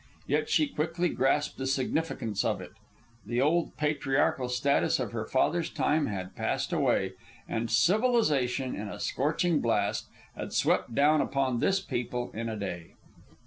Yet she quickly grasped the significance of it: the old patriarchal status of her father's time had passed away, and civilization, in a scorching blast, had swept down upon this people in a day.